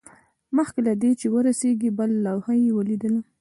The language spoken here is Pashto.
مخکې له دې چې ورسیږي بله لوحه یې ولیدل